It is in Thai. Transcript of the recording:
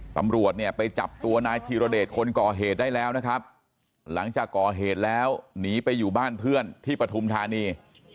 ตำรวจเนี่ยไปจับตัวนายธีรเดชคนก่อเหตุได้แล้วนะครับหลังจากก่อเหตุแล้วหนีไปอยู่บ้านเพื่อนที่ปฐุมธานี